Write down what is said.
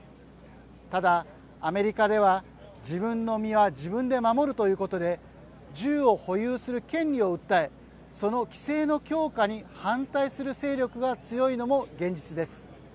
ただアメリカでは自分の身は自分で守るということで銃を保有する権利を訴えその規制の強化に反対する勢力が強いのも現実です。